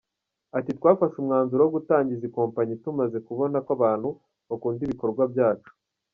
Ati “Twafashe umwanzuro wo gutangiza ikompanyi tumaze kubona ko abantu bakunda ibikorwa byacu.